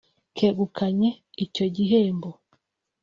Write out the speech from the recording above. kegukanye icyo gihembo